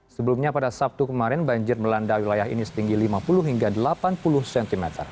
sebelumnya pada sabtu kemarin banjir melanda wilayah ini setinggi lima puluh hingga delapan puluh cm